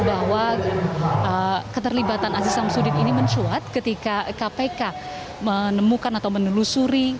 bahwa keterlibatan aziz samsudin ini mencuat ketika kpk menemukan atau menelusuri